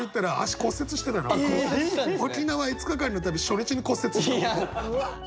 沖縄５日間の旅初日に骨折した男。